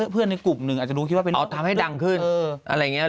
เพื่อนไนกลับหนึ่งอาจจะรู้ว่าเป็นเรื่องเขาหรือเปล่า